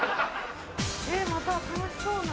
また楽しそうな。